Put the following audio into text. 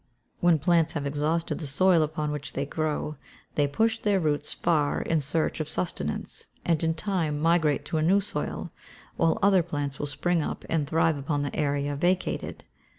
When plants have exhausted the soil upon which they grow, they will push their roots far in search of sustenance, and in time migrate to a new soil, while other plants will spring up and thrive upon the area vacated.